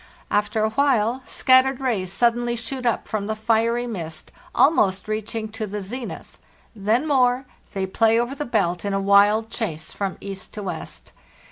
After a while scattered rays suddenly shoot up from the fiery mist, almost reaching to the zenith; then more; they play over the belt in a wild chase from east to west.